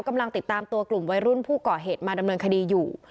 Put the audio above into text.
กำลังติดตามตัวกลุ่มวัยรุ่นผู้ก่อเหตุมาดำเนินคดีอยู่